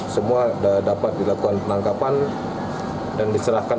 semua dapat dilakukan penangkapan dan diserahkan